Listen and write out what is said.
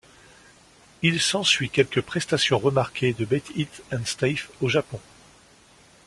Il s'ensuit quelques prestations remarquées de Bet.e and Stef au Japon.